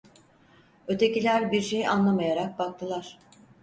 Ötekiler bir şey anlamayarak baktılar.